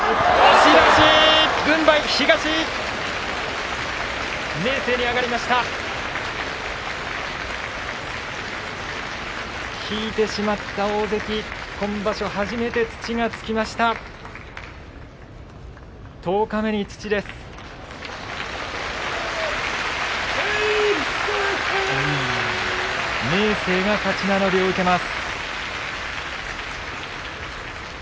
拍手明生が勝ち名乗りを受けます。